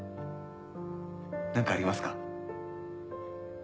何かありますか？